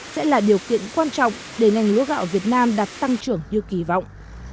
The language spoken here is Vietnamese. sẽ là điều kiện quan trọng để ngành lúa gạo việt nam đạt tăng trưởng như kỳ vọng